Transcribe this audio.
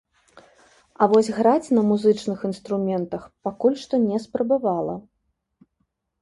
А вось граць на музычных інструментах пакуль што не спрабавала.